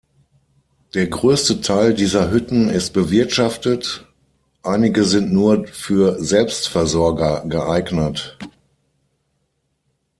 Der größte Teil dieser Hütten ist bewirtschaftet, einige sind nur für Selbstversorger geeignet.